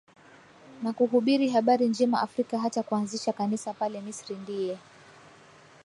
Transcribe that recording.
na kuhubiri Habari Njema Afrika hata kuanzisha Kanisa pale Misri Ndiye